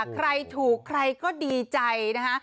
ใครถูกใครก็ดีใจนะคะ